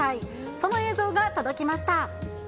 その映像が届きました。